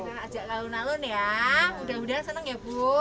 kita ajak lalu lalu ya mudah mudahan senang ya bu